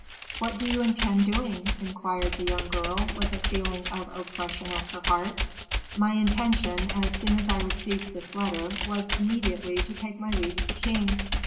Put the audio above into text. '" "What do you intend doing?" inquired the young girl, with a feeling of oppression at her heart. "My intention, as soon as I received this letter, was immediately to take my leave of the king."